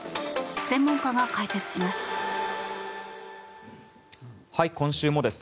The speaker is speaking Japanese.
専門家が解説します。